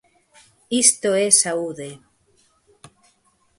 Isto é saúde...